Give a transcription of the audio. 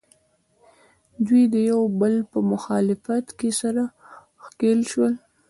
دوی د یو او بل په مخالفت کې سره ښکلیل شول